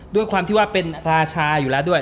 ด้วยความที่ว่าเป็นราชาอยู่แล้วด้วย